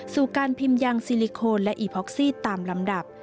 การพิมพ์ยางซิลิโคนและอีพ็อกซี่ตามลำดับ